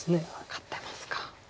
勝ってますか。